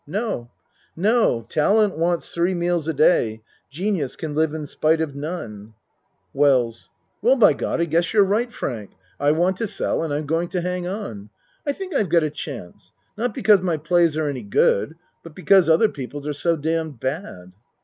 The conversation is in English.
No no talent wants three meals a day genius can live in spite of none. WELLS Well, by God I guess you're right. 28 A MAN'S WORLD Frank. I want to sell and I'm going to hang on. I think I've got a chance not because my plays are any good but because other people's are so damned bad.